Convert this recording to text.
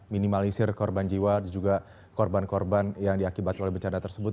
minimalisir korban jiwa dan juga korban korban yang diakibat oleh bencana tersebut